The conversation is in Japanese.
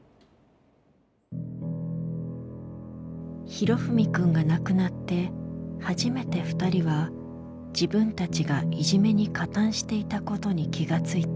裕史くんが亡くなって初めて２人は自分たちがいじめに加担していたことに気が付いた。